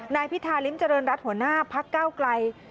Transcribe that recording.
นายพิธาลิ้มเจริญรัฐหัวหน้าภักดิ์เก้าไกล